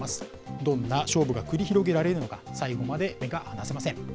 どんな勝負が繰り広げられるのか、最後まで目が離せません。